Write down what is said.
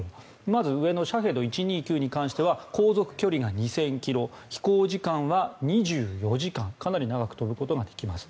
まず、上のシャヘド１２９に関しては航続距離が２０００ｋｍ飛行時間は２４時間かなり長く飛ぶことができます。